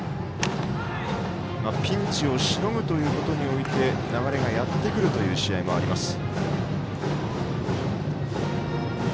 ピンチをしのぐということにおいて流れがやってくるという試合もあります。